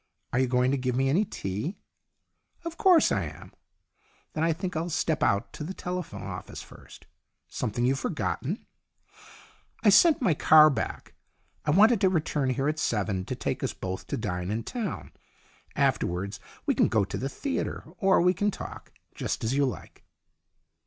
Are you going to give me any tea ?"" Of course I am." "Then I think I'll step out to the telephone office first." " Something you've forgotten ?"" I sent my car back. I want it to return here THE LAST CHANCE 133 at seven, to take us both to dine in town. After wards we can go to the theatre, or we can talk. Just as you like."